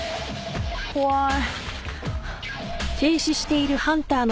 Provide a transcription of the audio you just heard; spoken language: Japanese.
怖い。